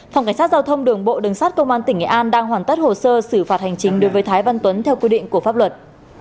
phòng cảnh sát giao thông đường bộ đường sát công an tỉnh nghệ an đang hoàn tất hồ sơ xử phạt hành chính đối với thái văn tuấn theo quy định của pháp luật